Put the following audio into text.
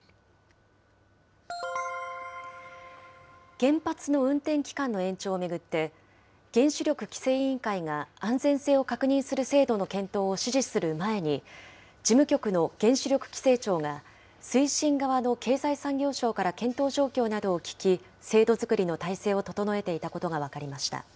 原発の運転期間の延長を巡って、原子力規制委員会が安全性を確認する制度の検討を指示する前に、事務局の原子力規制庁が、推進側の経済産業省から検討状況などを聞き、制度づくりの体制を整えていたことが分かりました。